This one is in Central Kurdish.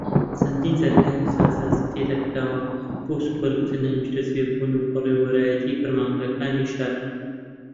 چەندین جار کاری چاکسازیی تیادا کراوە بۆ سوودوەرگرتن لە نیشتەجێبوون و بەڕێوبەرایەتیی فەرمانگەکانی شار